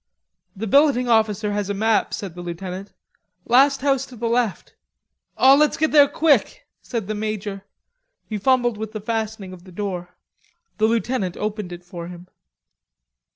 "The billeting officer has a map," said the lieutenant, "last house to the left." "O let's go there quick," said the major. He fumbled with the fastening of the door. The lieutenant opened it for him.